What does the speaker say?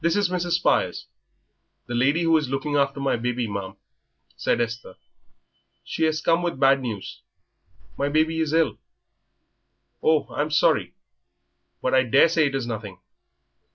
"This is Mrs. Spires, the lady who is looking after my baby, ma'am," said Esther; "she has come with bad news my baby is ill." "Oh, I'm sorry. But I daresay it is nothing."